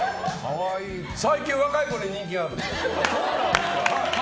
最近、若い子に人気があんの。